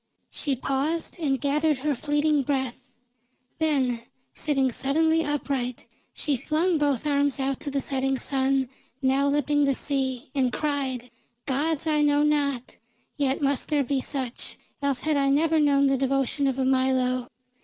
She paused, and gathered her fleeting breath. Then, sitting suddenly upright, she flung both arms out to the setting sun now lipping the sea, and cried: "Gods I know not. Yet must there be such, else had I never known the devotion of a Milo!